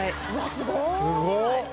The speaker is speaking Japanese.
すごっ！